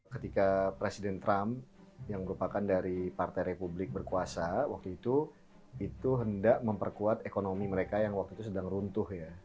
ketika presiden trump yang merupakan dari partai republik berkuasa waktu itu itu hendak memperkuat ekonomi mereka yang waktu itu sedang runtuh ya